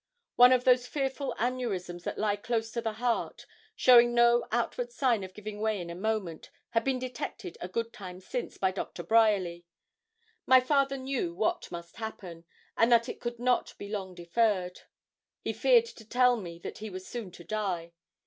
One of those fearful aneurisms that lie close to the heart, showing no outward sign of giving way in a moment, had been detected a good time since by Dr. Bryerly. My father knew what must happen, and that it could not be long deferred. He feared to tell me that he was soon to die.